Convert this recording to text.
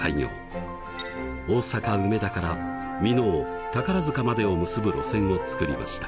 大阪・梅田から箕面宝塚までを結ぶ路線を作りました。